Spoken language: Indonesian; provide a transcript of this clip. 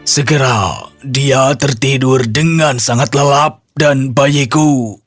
segera dia tertidur dengan sangat lelap dan bayiku